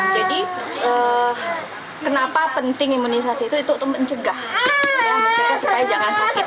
jadi kenapa penting imunisasi itu untuk mencegah supaya jangan sakit